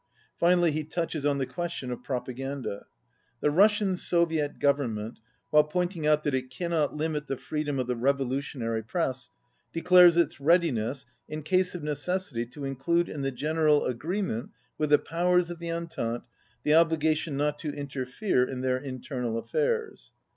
Finally he touches on the question of propaganda. "The Russian Soviet Government, while pointing out that it cannot limit the freedom of the revolutionary press, de clares its readiness, in case of necessity, to include in the general agreement with the powers of the Entente the obligation not to interfere in their internal affairs."